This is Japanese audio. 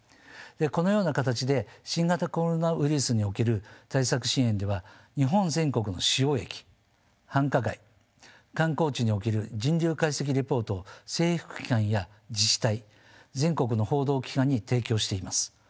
このような形で新型コロナウイルスにおける対策支援では日本全国の主要駅繁華街観光地における人流解析レポートを政府機関や自治体全国の報道機関に提供しています。